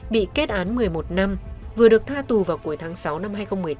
bị kết án một mươi một năm vừa được tha tù vào cuối tháng sáu năm hai nghìn một mươi tám